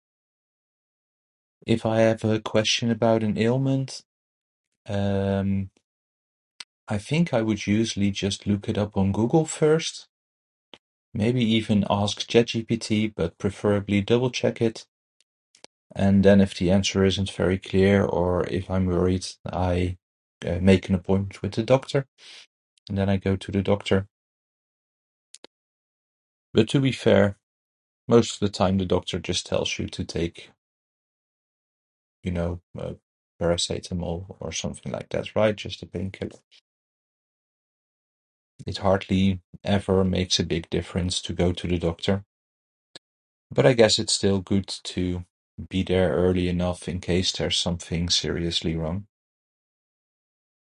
If I have a question about an ailment, um, I think I would usually just look it up on Google first. Maybe even ask ChatGPT, but preferably double check it. And then if the answer isn't very clear, or if I'm worried, I make an appointment with the doctor. And then I go to the doctor. But to be fair, most of the time, the doctor just tells you to take, you know, a paracetamol or something like that, right? Just a pain killer. It hardly ever makes a big difference to go to the doctor. But I guess it's still good to be there early enough in case there's something seriously wrong.